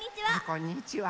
こんにちは。